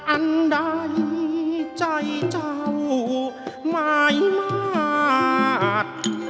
อันใดใจเจ้าหมายมาก